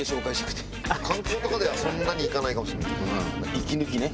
息抜きね。